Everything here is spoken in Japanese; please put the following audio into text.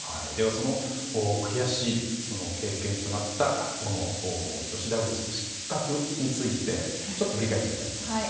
その悔しい経験となった女子ダブルスの失格についてちょっと振り返ってみたいと思います。